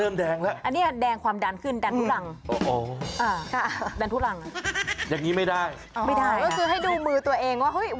มีมือผมไม่ค่อยแดง